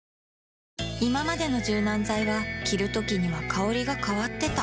いままでの柔軟剤は着るときには香りが変わってた